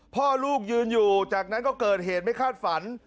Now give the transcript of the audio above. พ่อลูกยืนอยู่จากนั้นก็เกิดเหตุไม่คาดฝัน